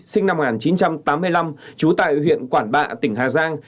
sinh năm một nghìn chín trăm tám mươi năm trú tại huyện quản bạ tỉnh hà giang